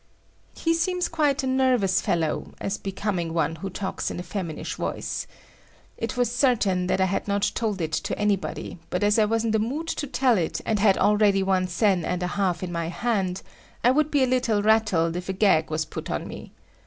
He seems quite a nervous fellow as becoming one who talks in a feminish voice. It was certain that I had not told it to anybody, but as I was in the mood to tell it and had already one sen and a half in my hand, I would be a little rattled if a gag was put on me.